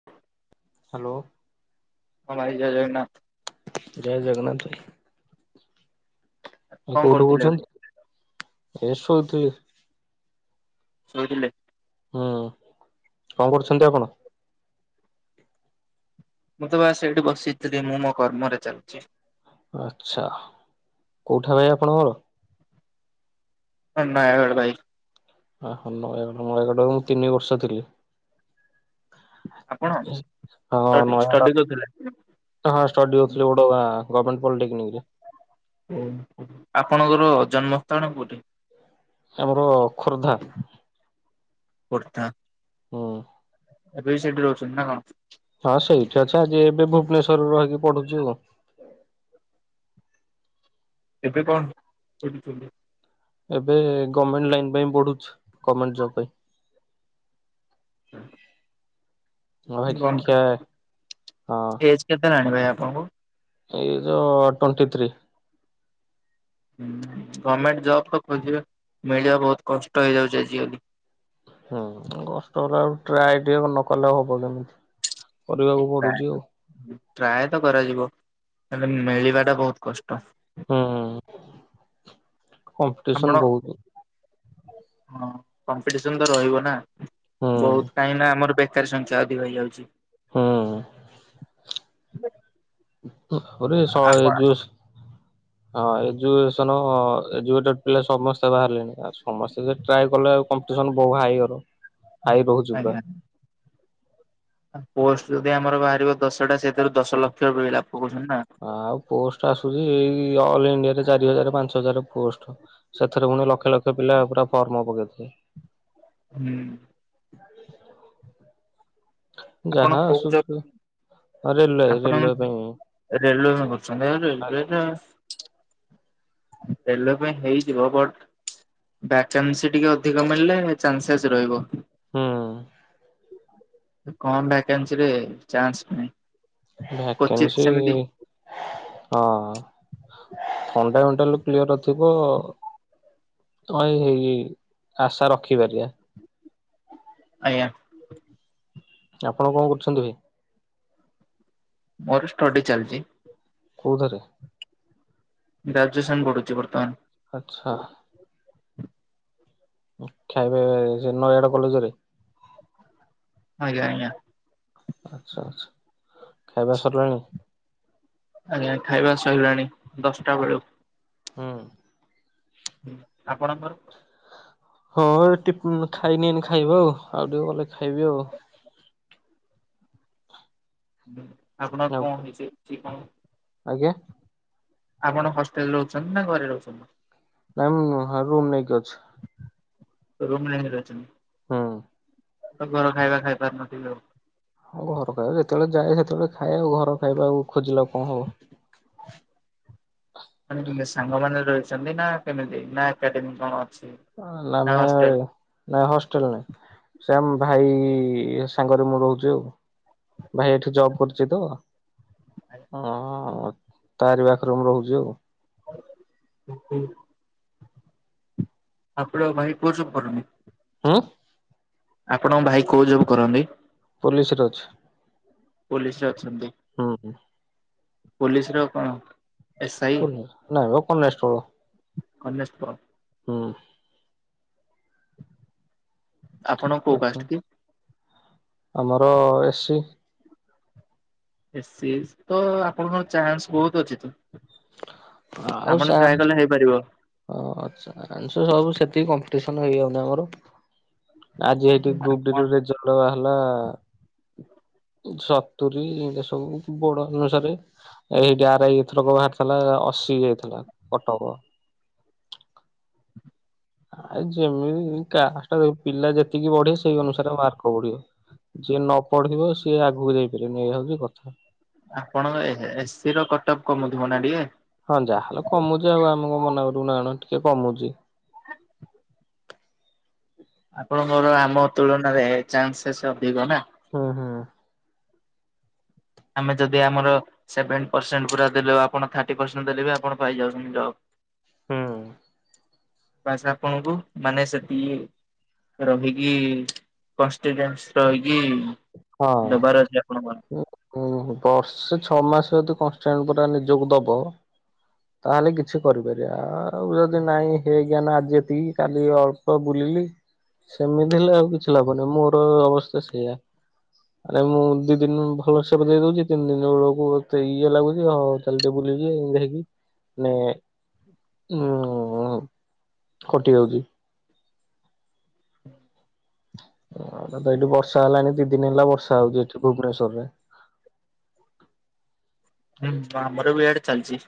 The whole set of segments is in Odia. [inaudible] ହ୍ୟାଲୋ ହ ଭାଇ ଜୟ ଜଗନ୍ନାଥ। ଜୟ ଜଗନ୍ନାଥ ଭାଇ ଆଉ କଣ କୋଉଠୁ କରୁଥିଲେ ଭାଇ? କହୁଛନ୍ତି? ଏ ଶୋଇଥିଲି। ଶୋଇଥିଲେ? ହୁଁ କଣ କରୁଛନ୍ତି ଆପଣ? ମୁଁ ତ ବା ସେଇଠି ବସିଥିଲି ମୁଁ ମୋ କର୍ମରେ ଚାଲିଛି। ଆଚଛା କୋଉଠା ଭାଇ ଆପଣଙ୍କର? ହ ନୟାଗଡ଼ ଭାଇ। ଓହୋ ନୟାଗଡ଼ ନୟାଗଡ଼ରେ ମୁଁ ତିନି ବର୍ଷ ଥିଲି। ଆପଣ ହଁ ନୟାଗଡ଼ ଷ୍ଟଡି କରୁଥିଲେ। ହଁ ଷ୍ଟଡିଥିଲେ ବୋଡ ଗର୍ଣେଟ ପଲିଟେକ୍ନିକ ରେ। ଓ ଆପଣଙ୍କର ଜନ୍ମସ୍ଥାନ କୋଉଠି? ଆମର ଖୋର୍ଦ୍ଧା। ଖୋର୍ଦ୍ଧା ହୁଁ ଏବେ ବି ସେଠି ରହୁଛନ୍ତି ନା କଣ? ହଁ ସେଇଠି ଅଛି ଆଜି ଏବେ ଭୁବନେଶ୍ୱରରେ ରହିକି ପଢୁଛୁ ଆଉ। ଏବେ କଣ? ଏବେ ଗଭର୍ଣ୍ଣମେଣ୍ଟ ଲାଇନ ପାଇଁ ପଢୁଛି ଗର୍ଣମେଣ୍ଟ ଜବ ପାଇଁ। [inaudible] ଆଉ ଭାଇ ଖିଆ ଏଜ କେତେ ହଁ ହେଲାଣି ଭାଇ ଆପଣଙ୍କୁ? ଏଇ ଟ୍ୱେଣ୍ଟି ଥ୍ରୀ। ହୁଁ ଗଭର୍ଣ୍ଣମେଣ୍ଟ ଜବ୍ ତ ଖୋଜିବେ ମିଳିବା ବହୁତ କଷ୍ଟ ହେଇଯାଉଛି ଆଜିକାଲି। ହୁଁ କଷ୍ଟ ହେଲା ଟ୍ରାଏ ଟିକେ ନକଲେ ହବ କେମିତି କରିବାକୁ ଟ୍ରାଏ ପଡୁଛି ଆଉ। ଟ୍ରାଏ ତ କରାଯିବ ହେଲେ ମିଳିବା ଟା ବହୁତ କଷ୍ଟ। ହୁଁ ଆପଣ କମ୍ପିଟିସନ ବହୁତ। ହଁ କମ୍ପିଟିସନ ତ ରହିବ ନା ହୁଁ ବହୁତ କାହିଁ ନା ଆମର ପାଖରେ ସଂଖ୍ୟା ଅଧିକ ହେଇଯାଉଛି ହୁଁ ତାପରେ ଶହେ ଆପଣ ଜୁସ୍ ହଁ ଏଜୁକସନ ଏଜୁକେଟେଡ ପିଲା ସମସ୍ତେ ବାହାରିଲେଣି ଆ ସମସ୍ତେ ସେ ଟ୍ରାଏ କଲେ ଆ କମ୍ପଟିସନ ବହୁ ହାଇ ହଁ [inaudible] ଖାଇ ରହୁଛି ପୁରା। ପୋଷ୍ଟ ଯଦି ଆମର ବାହାରିବ ଦଶଟା ସେଥିରୁ ଦଶ ଲକ୍ଷ ପିଲା ପକଉଛନ୍ତି ନା। ଆଉ ପୋଷ୍ଟ ଆସୁଛି ଏଇ ଅଲ ଇଣ୍ଡିଆରେ ଚାରି ହଜାର, ପାଞ୍ଚ ହଜାର ପୋଷ୍ଟ। ସେଥିରେ ପୁଣି ଲକ୍ଷ ଲକ୍ଷ ପିଲା ପୁରା ଫର୍ମ ପକେଇଥିବେ। ହୁଁ। [inaudible] ଆପଣ ଯାହା କୋଉ ଆସୁ ଜବ୍ ଆପଣ ରେଲୱେ କରୁଛନ୍ତି ଆଉ ଆଜ୍ଞା ରେଲୱରେ ରେଲୱେ ପାଇଁ ହେଇଯିବ ବଟ ଭ୍ୟାକେନ୍ସି ଟିକେ ଅଧିକ ମିଳିଲେ ଚାନ୍ସେସ୍ ରହିବ। ହୁଁ। କମ ଭକ୍ୟଂଶିରେ ଚାନ୍ସ ନାଁ ଭାକେଂଶି। ହଁ ଥଣ୍ଡାଣ୍ଡ କ୍ଲିୟରଥିବ ତ ଏଇ ଏଇ ଏଇ ଆଶା ରଖିପାରିବା। ଆଜ୍ଞା। ଆପଣ କଣ କରୁଚନ୍ତି ଭାଇ? ମୋର ଷ୍ଟଡି ଚାଲିଚି। କୋଉଥରେ? ଗ୍ରାଜୁଏସନ୍ ପଢୁଚି ବର୍ତ୍ତମାନ। ଆଛା। ଖାଇବା ସେ ନୟାଗଡ କଲେଜ ରେ। ଆଜ୍ଞା ଆଜ୍ଞା। ଆଛା ଆଛା ଖାଇବା ସରଲାଣି? ଆଜ୍ଞା ଖାଇବା ସଇଲାଣି ଦଶଟା ବେଳୁ। ହୁଁ। ହୁଁ ଆପଣଙ୍କର। ହଁ ଏଟି ଉଁ ଖାଇନି ଏନି ଖାଇବ ଆଉ ଆଉ ଟିକେ ଗଲେ ଖାଇବି ଆଉ। ଆପଣ ଆଉ କଣ ହେଇଚି କି କଣ? ଆଜ୍ଞା। ଆପଣ ହଷ୍ଟେଲରେ ରୋହୁଚନ୍ତି ନା ଘରେ ରୋହୁଛନ୍ତି। ନାଇଁ ମୁଁ ହଁ ରୁମ୍ ନେଇକି ଅଛି। ରୁମ୍ ନେଇକି ରହିଛନ୍ତି। ହୁଁ। ତ ଘର ଖାଇବା ଖାଇ ପାରୁନଥିବ ଆଉ। ହଁ ଘର ଖାଇବା ଯେତେବେଳେ ଯାଏ ସେତେବେଳେ ଖାଏ ଆଉ ଘର ଖାଇବା ଆଉ ଖୋଜିଲେ କଣ ହବ। ମାନେ ସାଙ୍ଗ ମାନେ ରହିଛନ୍ତି ନା କେମିତି ନା ଏକାଡେମୀ କଣ ଅଛି। ଆ ନା ଲାମେ ହଷ୍ଟେଲ? ନାଇଁ ହଷ୍ଟେଲ ନାଇଁ ସେ ଆମ ଭାଇ ସାଙ୍ଗରେ ମୁଁ ରୋହୁଚି ଆଉ। ଭାଇ ଏଠି ଜବ କରୁଚି ତ ଅ ତାରି ପାଖରେ ମୁଁ ରହୁଚି ଆଉ। [inaudible] ଆପଣ ଭାଇ କୁଅ ସେ କରୁନି। ଉଁ। ଆପଣଙ୍କ ଭାଇ କୋଉ ଜବ କରନ୍ତି? ପୋଲିସରେ ଅଛି। ପୋଲିସରେ ଅଛନ୍ତି। ଉଁ ହୁଁ। ପୋଲିସ ର କଣ? ଏସ୍ ପୁନି ନାଇ ମ କନେଷ୍ଟବଳ। କନେଷ୍ଟବଲ। ହୁଁ। ଆପଣ କୋଉ ଆଚ୍ଛା କାଷ୍ଟ କି? ଆମର ଏ ସି। ଏ ସି ସ ତ ଆପଣଙ୍କ ଚାନ୍ସ ବୋହୁତ ଅଛି ତ। ଆଉ ଆପଣ ଟ୍ରାଏ ସାର୍ କଲେ ହେଇପାରିବ। ଓ ଆଛା ଆ ସବୁ ସେତିକି କମ୍ପିଟିସନ ହେଇଆଉନି ଆମର। ଆଜି ଏଇଠି ଗ୍ରୁପ ଡି ଆପଣ ର ରେଜଲ୍ଟ ବାହାଲା ସତୁରୀ ଏନ୍ତିଆ ସବୁ ବଡ ଅନୁସାରେ। ଏଇଠି ଆର ଆଇ ଏଥରକ ବାହାରିଥିଲା ଅଶୀ ହେଇଥିଲା କଟପ। ଆ ଯେମିତି କାଷ୍ଟ ପିଲା ଯେତିକି ବଢିଏ ସେଇ ଅନୁସାରେ ମାର୍କ ବଢିବ। ଯିଏ ନ ପଢିବ ସିଏ ଆଗକୁ ଯାଇପାରିବନି ଏଇଆ ହଉଛି କଥା। ଆପଣ ଏ ଏସିି ର କଟପ କମୁଥିବ ନା ଟିକେ। ହଁ ଯାହାଲେ କମୁଚି ଆଉ ଆମ କଣ ମନା କରବୁ ନା କଣ ଟିକେ କମୁଚି। ଆପଣଙ୍କର ଆମ ତୁଳନାରେ ଚାନ୍ସଶେଷ ଅଧିକ ନା। ହୁଁ ହୁଁ। ଆମେ ଯଦି ଆମର ସେଭେନ ପରସେଣ୍ଟ ପୁରା ଦେଲେ ଆପଣ ଥାର୍ଟି ପରସେଣ୍ଟ ଦେଲେ ବି ଆପଣ ପାଇଯାଉଛନ୍ତି ଜବ୍। ହୁଁ। ବାସ ଆପଣଙ୍କୁ ମାନେ ସେତି ରହିକି କଷ୍ଟିନଟ୍ସ ରହିକି ହଁ। ଦବାର ଅଛି ଆପଣଙ୍କର। ହୁଁ ବର୍ଷେ ଛଅ ମାସ ଯଦି କନଷ୍ଟାଣ୍ଟ ପୁରା ନିଜକୁ ଦବ ତାହେଲେ କିଛି କରିପାରିଆ ଆଉ ଯଦି ନାଇଁ ହେ ଆଜ୍ଞା ନା ଆଜି ଏତିକି କାଲି ଅଳ୍ପ ବୁଲିଲି ସେମିତି ହେଲେ ଆଉ କିଛି ଲାଭନି, ମୋର ଅବସ୍ଥା ସେଇଆ। ଆରେ ମୁଁ ଦି ଦିନ ଭଲ ସେବ ଦେଇ ଦଉଛି ତିନି ଦିନ ଏଳକୁ ଏତେ ଇଏ ଲାଗୁଛି ଆଉ ଚାଲି ଟେ ବୁଲିବ ଆଉ ହେକି ମାନେ ଉ ଖଟି ଯାଉଛି। ହ ତ ଏଠି ବର୍ଷା ହେଲାଣି ଦି ଦିନି ହେଲା ବର୍ଷା ହଉଛି ଏଠି ଭୁବନେଶ୍ୱର ରେ। ହୁଁ ଆମର ବି ଏଆଡେ ଚାଲିଛି।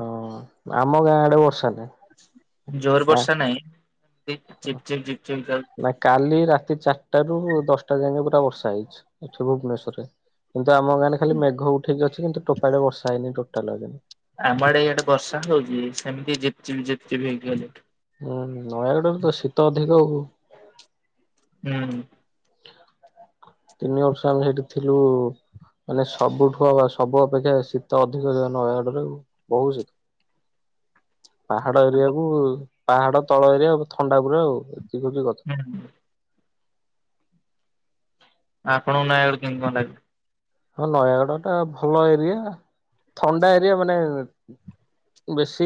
ହଁ ଆମ ଗାଁ ଆଡେ ବର୍ଷା ନାହିଁ। ଜୋର ବର୍ଷା ନାହିଁ ଝିପ୍-ଝିପ୍-ଝିପ-ଝିପ୍ ଯା ନା କାଲି ରାତି ଚାଟା ରୁ ଦଶଟା ଯାଏକ ପୁରା ବର୍ଷା ହେଇଛି ଏଠି ଭୁବନେଶ୍ୱର ରେ। କିନ୍ତୁ ଆମ ଗଁରେ ଖାଲି ମେଘ ଉଠିକ ଅଛି କିନ୍ତୁ ଟୋପଡେ ବର୍ଷା ହେନି ଟୋଟାଲ ଆଜି। ଆମଡେ ଏଇଆଡେ ବର୍ଷା ହେଉଛି ସେମିତି ଜିପ-ଜିପ-ଜିପ-ଜିପ ବି ହେଇକି ହୁଁ ନୟାଗଡ଼ରେ ତ ଶୀତ ଅଧିକ ହଉ। ହୁଁ ତିନି ବର୍ଷ ଆମେ ସେଇଠି ଥିଲୁ ମାନେ ସବୁଠୁ ବା ସବୁ ଅପେକ୍ଷା ଶୀତ ଅଧିକ ଦିନ ନୟାଗଡରେ ବହୁତଶୀତ। [inaudible] ପାହାଡ ଏରିଆକୁ ପାହାଡ ତଳ ଏରିଆ ଥଣ୍ଡା ପୁର ଆଉ ଏତିିକିଉଛି କ [unintelligible] ଆପଣଙ୍କ ନୟାଗଡ଼ କେମିତି ଥଣ୍ଡା ଅଛି? ହଁ ନୟାଗଡ଼ ଟା ଭଲ ଏରିଆ, ଥଣ୍ଡା ଏରିଆ ମାନେ ବେଶୀ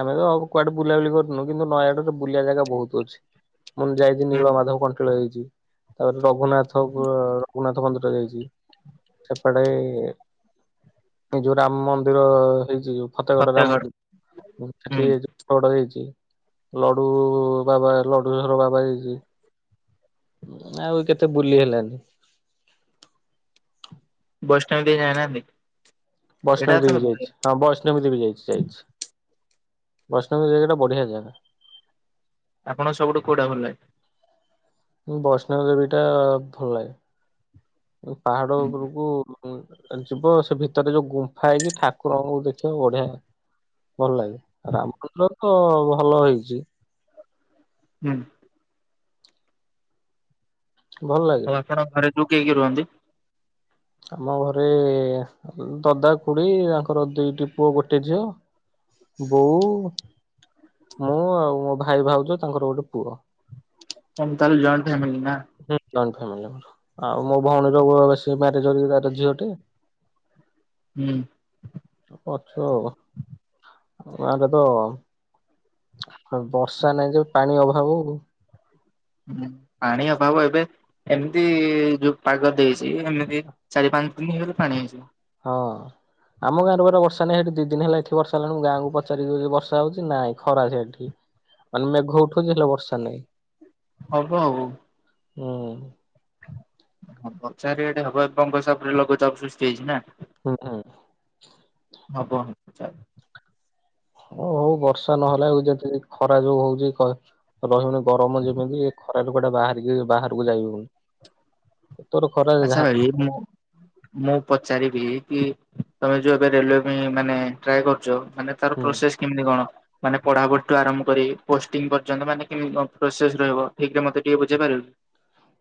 ଆମେତଉ କୁଆଡେ ବୁଲାବୁଲି କରୁନୁ କିନ୍ତୁ ନୟାଗାଡ ରେ ବୁଲିଆ ଜାଗା ବହୁତ ଅଛି। [inaudible] ମୁଁ ଯାଇଛିି ହୁଁ। ନୀଳ ମାଧବ କଣ୍ଟିଳ ଯାଇଛି ତାପରେ ରଘୁନାଥପୁ ରଘୁନାଥ ମନ୍ଦିର ଯାଇଛି। ଶେପାଟେ ଏ ଯୋଉ ରାମ ମନ୍ଦିର ହେଇଚି ଜୋଉ ଫତେଗଡ ଗାମ ମନ୍ଦିର ହୁଁ ସେଠିକି ଜା ଫତେଗଡ ଜାଇଛି ଲଡୁ ବାବା ଲଡୁଝର ବାବା ଜାଇଛି। ଆଉ କେତେ ବୁଲି ହେଲାନି। ବୈଷ୍ଣବଦେଇ ଯାଇନାହାନ୍ତି? ଏଇଟା ତ ବୈଷ୍ଣବଦେବୀ ଯାଇଛି। ହଁ ବୈଷ୍ଣବୀ ଦେବୀ ଯାଇଛି ଯାଇଛି। ବୈଷ୍ଣବୀ ଦେବୀ ଟା ବଢିଆ ଜାଗା। ଆପଣ ସବୁଠୁ କୋଉଟା ଭଲ ଲାଗେ? ବୈଷ୍ଣବ ଦେବୀ ଟା ଭଲ ଲାଗେ ପାହାଡ ଉପରକୁ ଯିବ ସେ ଭିତରେ ଯୋଉ ଗୁମ୍ଫା ହେଇନି ଠାକୁରଙ୍କୁ ଦେଖିବ ବଢିଆ ଭଲ ଲାଗେ ରାମପୁତ୍ର ତ ଭଲ ହେଇଚି। ହୁଁ। ଭଲ ଲାଗେ। ଆଉ ଆପଣ ଘରେ ଜୋଉ କିଏ କିଏ ରୁହନ୍ତି? ଆମ ଘରେ ଦଦା ଖୁଡି ତାଙ୍କର ଦିଟି ପୁଅ ଗୋଟେ ଝିଅ। ବୋଉ ମୁଁ ଆଉ ମୋ ଭାଇ ଭାଉଜ ତାଙ୍କର ଗୋଟେ ପୁଅ। ତମେ ତାହାଲେ ଜଏଣ୍ଟ ଫ୍ୟାମିଲି ନା? [unintelligible] ଆଉ ମୋ ଭଉଣୀର ମ୍ୟାରେଜ ସରିଛି ତାର ଝିଅ ଟେ। ହୁଁ। ପଛ ଆଉ। ଆମ ଗାଁରେ ତ, ବର୍ଷା ନାଇଁ ଯେ ପାଣି ଅଭାବ କୁ ହଁ ପାଣି ଅଭାବ ଏବେ। ଏମିତି ଯୋଉଁ ପାଗ ଦେଇଛି ଏମିତି ଚାରି ପାଞ୍ଚ ଦିନ ହେଲେ ପାଣି ହେଇଯିବ। ହଁ। ଆମ ଗାଁରେ ପରା ବର୍ଷା ନାହିଁ ଇଠି ଦି ଦିନ ହେଲା ଏଠି ବର୍ଷାଲାଣିଁ ଗାଁକୁ ପଚାରି ବି ଜଉବର୍ଷ ହଉଛି ନାଇଁ ଖରା ସେଇଠି। ମାନେ ମେଘ ଉଠୁଛି ହେଲେ ବର୍ଷା ନାଇଁ।। ହବ ଆଉ। ହୁଁ। ହଁ ବର୍ଚା ରେଟେ ହବ ଏବଂଙ୍କ ହସାବ ରେ ଲଘୁଚାପ ସୃଷ୍ଟି ହେଇଛି ନା। ହେଇଥିବ। ହଁବ ଚା। ହଉ ହଉ ବର୍ଷା ନହେଲେ ଏ ଯେତ ଖରା ଯୋଉ ହଉଛି କହ ରହିହଉନି ଗରମ ଯେମିତି ଖରାରୁ ଗୋଟେ ବାହାରିକି ବାହାରକୁ ଯାଇ ହଉନି। ତୋର ଖରା ଆଚ୍ଛା ଯାହା ଭାଇ ମୁଁ ମୁଁ ପଚାରିବି କି ତମେ ଯୋଉଁ ଏବେ ରେଲୱେ ପାଇଁ ମାନେ ଟ୍ରାଏ କରୁଛ ମାନେ ତାର ହୁଁ ପ୍ରୋସେସ କେମିତି କଣ? ମାନେ ପଢ଼ାପଢିୁ ଠୁ ଆରମ୍ଭ କରି ପୋଷ୍ଟିଂ ପର୍ଯ୍ୟନ୍ତ ମାନେ କେମିତିି କଣ ପ୍ରୋସେସ ରହିବ ଠିକରେ ମତେ ଟିକେ ବୁଝେଇ ପାରିବେ?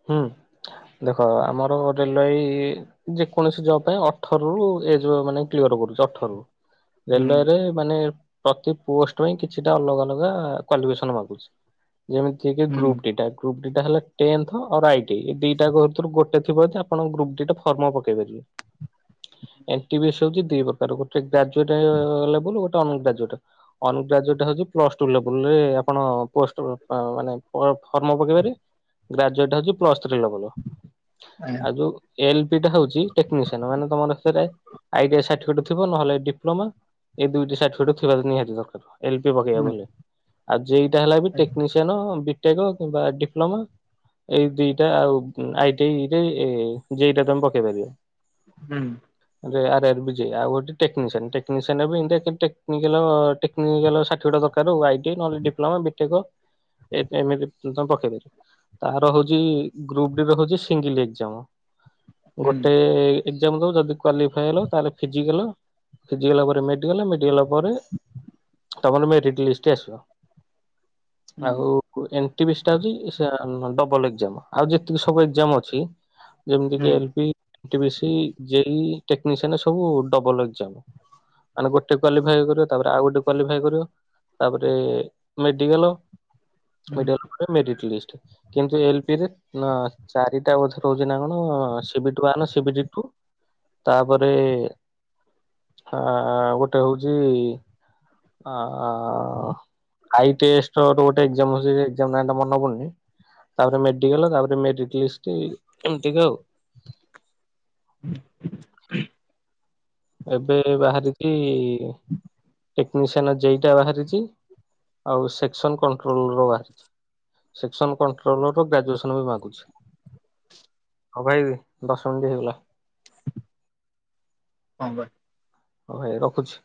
ହୁଁ, ଦେଖ ଆମର ରେଲବାଇ ଯେକୌଣସି ଜବ ପାଇଁ ଅଠର ରୁ ଏଜ ମାନେ କ୍ଲିୟର କରୁଛି ଅଠରୁ ହୁଁ ରେଲ୍ୱରେ ମାନେ ପ୍ରତି ପୋଷ୍ଟ ପାଇଁ କିଛିଟା ଅଲଗା ଅଲଗା କ୍ୱାଲିଫିକେସନ ମାଗୁଛି, ଯେମିତି ସେ ଯିଏ ହୁଁ ଗ୍ରୁପ ଡି ଟା ଗ୍ରୁପ ଡି ଟା ହେଲା ଟେନ୍ଥ ଆଉ ଆଇ ଟି ଆଇ ଦିଟାରୁ ଗୋଟେ ସେଥିପ୍ରତି ଆପଣଙ୍କୁ ଗ୍ରୁପ ଡି ଟା ଫର୍ମ ପକେଇବେ, ଏନଟିପିସି ହେଉଛି ଦି ପ୍ରକାର ଗୋଟ ଗ୍ରାଜୁଏଟ ଲେବେଲ ଗୋଟେ ଅନଗ୍ରାଜୁଏଟ। ଅନୁଗ୍ରାଜୁଟ ହେଉଛି ପ୍ଲସ ଟୁ ଲେବଲରେ ଆପଣ ପଷ୍ଟ ଉ ମାନେ ଫର୍ମ ପକେଇ ପାରିବେ। ଗ୍ରାଜୁଏଟ୍ ହଉଛି ପ୍ଲସ୍ ଥ୍ରୀ ଲେବଲର ଆଜ୍ଞା ଆଉ ଯୋଉଁ ଏ ଏଲ୍ ପି ଟା ହେଉଛି ଟେକନିସିଆନ୍ ମାନେ ତମର ସେଟା ଆଇ ଟି ଆଇ ସାର୍ଟିଫିକେଟ ଥିବ ନହେଲେ ଡିପ୍ଲୋମା ଏ ଦୁଇଟି ସାର୍ଟିଫିକେଟ ଥିବା ତ ନିହାତି ଦରକାର। ଏଲ ପି ପକେଇବା ହୁଁ ବୋଲି ଆଉ ଯେ ଇ ଟା ହେଲା ବି ଆଜ୍ଞା ଟେକ୍ନିସିଆନ, ବିଟେକ୍ କିମ୍ବା ଡିପ୍ଲୋମା ଏଇ ଦିଟା ଆଉ ଆଇ ଟି ଆଇ ରେ ଯେ ଇ ଟା ତମେ ପକେଇ ପାରିବ। ହୁଁ। ଯେ ଆର ଆର ବି ଯେ ଇ ଆଉ ଗୋଟେ ଟେକ୍ନିସିଆନ ଟେକ୍ନିସିଆନରେ ବି ଏମିତିକା କେତେ ଟେନିକାଲ ଟେକ ଟେକ୍ନିକାଲ ସାର୍ଟିଫିକେଟ ଦରକାର ଆଇ ଟି ଆଇ ନହଲେ ଡିପ୍ଲମା ବିଟେକ୍ ଏ- ଏମିତି ତମେ ପକେଇ ପାରିବ। ତାର ହଉଛି ଗ୍ରୁପ ଡି ର ହଉଛି ସିଙ୍ଗିଲ ଏକ୍ଜାମ ହୁଁ ଗୋଟେ ଏକ୍ଜାମ ଦେବ ଯଦି କ୍ୱାଲିଫାଏ ହେଲ ତାହେଲେ ଫିଜିକାଲ ଫିଜିକାଲ ପରେ ମେଡ଼ିକାଲ, ମେଡ଼ିକାଲ ପରେ ତା ପରେ ମେରିଟ୍ ଲିଷ୍ଟ ଆସିବ ହୁଁ ଆଉ ଏନ୍ ଟି ପି ସି ଟା ହଉଛି ଟା-ଉମ ଡବଲ ଏକ୍ଜାମ ଆଉ ଯେତିକି ସବୁ ଏକ୍ଜାମ ଅଛି ଯେମିତିି ହୁଁ କି L P N T P C, ଯେ ଇ, ଟେକ୍ନିସିଆନ୍ ସବୁ ଡବଲ ଏକ୍ଜାମ। ମାନେ ଗୋଟେ କ୍ୱାଲିଫାଇ କରିବ, ତାପରେ ଆଉ ଗୋଟେ କ୍ୱାଲିଫାଇ କରିବ। ତାପରେ ମେଡିକାଲ, ହୁଁ ମେଡିକାଲ ପରେ ମେରିଟ୍ ଲିଷ୍ଟ। କିନ୍ତୁ ଏ ଏଲ୍ ପି ରେ? ନା ଚାରିଟା ବୋଧେ ରହୁଛି ନା କଣ ସିବିଟି ୱାନ, ସିବିଟି ଟୁ। ତାପରେ ଆ ଗୋଟେ ହଉଛି ଆ ଆଇ ଟେଷ୍ଟର ଗୋଟେ ଏଗ୍ଜାମ ହେଉଛି ସେ ଏଗ୍ଜାମ ନାମ ଟା ମନ ପଡ଼ୁନି। ତାପରେ ମେଡିକାଲ ତାପରେ ମେରିଟ୍ ଲିଷ୍ଟ ଏମତି କା ଆଉ। ହ। ଏବେ ବାହାରିକି ଟେକ୍ନିସିଆନ୍ ଜେଇଟା ବାହାରିଛି ଆଉ ସେକ୍ସନ କଣ୍ଟ୍ରୋଲର ବାହାରିଛି। ସେକ୍ସନ କଣ୍ଟ୍ରୋଲର ର ଗ୍ରାଜୁଏସନ୍ ବି ମାଗୁଛି। ହଁ ଭାଇ ଦଶ ମିନିଟ୍ ହେଲା। ହଁ ବା। ହଁ ଭାଇ ରଖୁଛି।